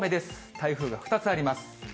台風が２つあります。